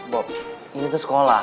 bob ini tuh sekolah